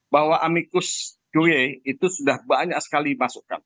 bahwa amicus due itu sudah banyak sekali masukan